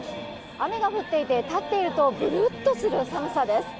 雨が降っていて、立っているとブルっとする寒さです。